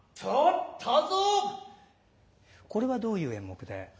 これはどういう演目で？